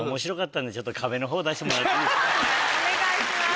お願いします。